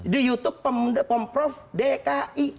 di youtube pemprov dki